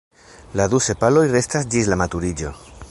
La du sepaloj restas ĝis la maturiĝo.